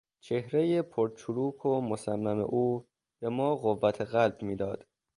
چهرهی پر چروک و مصمم او به ما قوت قلب میداد.